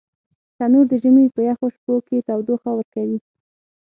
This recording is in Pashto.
تنور د ژمي په یخو شپو کې تودوخه ورکوي